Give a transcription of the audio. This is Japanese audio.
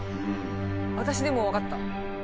私でも分かった。